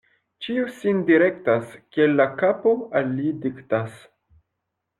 Ĉiu sin direktas, kiel la kapo al li diktas.